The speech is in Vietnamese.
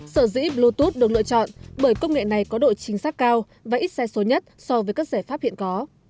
sở dĩ bluetooth được lựa chọn bởi công nghệ này có độ chính xác cao và ít xe số nhất so với các giải pháp hiện có